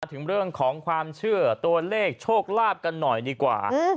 ถึงเรื่องของความเชื่อตัวเลขโชคลาภกันหน่อยดีกว่า